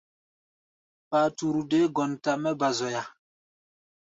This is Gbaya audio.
Paturu dé gɔnta mɛ́ ba zoya.